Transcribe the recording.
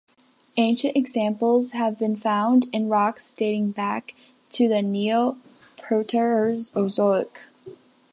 Ancient examples have been found in rocks dating back to the Neoproterozoic.